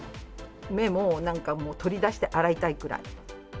目もなんかもう、取り出して洗いたいくらい。